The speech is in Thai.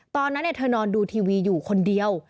ตอนนั้นเธอนอนดูทีวีอยู่คนเดียว